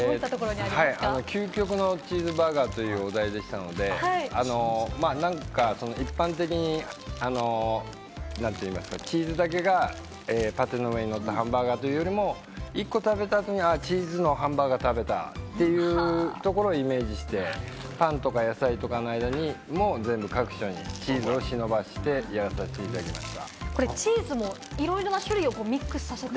究極のチーズバーガーというお題でしたので、一般的にチーズだけがパティの上に乗っているハンバーガーというよりも、１個食べた後にチーズのハンバーガー食べたというところをイメージして、パンとか野菜とかの間にも全部各所にチーズをしのばせてみました。